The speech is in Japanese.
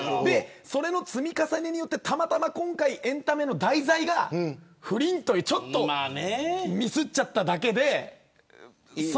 その積み重ねで今回たまたまエンタメの題材が不倫というちょっとミスっちゃっただけで。